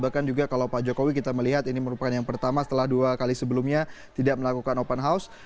bahkan juga kalau pak jokowi kita melihat ini merupakan yang pertama setelah dua kali sebelumnya tidak melakukan open house